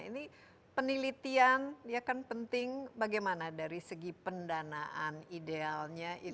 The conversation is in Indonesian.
ini penelitian ya kan penting bagaimana dari segi pendanaan idealnya